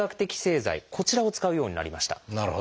こちらを使うようになりました。